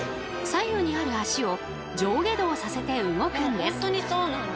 左右にある足を上下動させて動くんです。